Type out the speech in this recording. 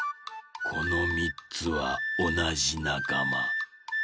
この３つはおなじなかま。